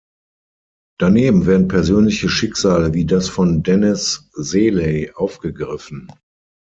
Daneben werden persönliche Schicksale wie das von Dennis Seeley aufgegriffen.